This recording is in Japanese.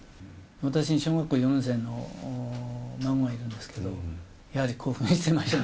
私、小学校４年生の孫がいるんですけど、やはり興奮してましたよ。